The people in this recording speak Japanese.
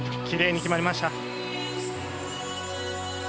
きれいに決まりました。